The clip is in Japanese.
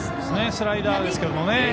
スライダーですけどね。